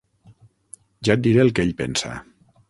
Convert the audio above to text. Ja et diré el que ell pensa.